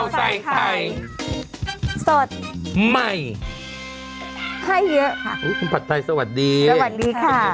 คุณผัดไทยสวัสดีสวัสดีค่ะ